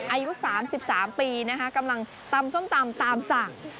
อายุสามสิบสามปีนะคะกำลังตำส้มตำตามสั่ง